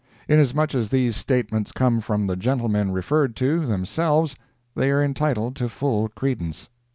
Inasmuch as these statements come from the gentlemen referred to, themselves, they are entitled to full credence.